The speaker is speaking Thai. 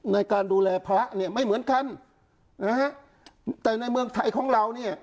ในการดูแลพระเนี่ยไม่เหมือนกันนะฮะแต่ในเมืองไทยของเราเนี่ย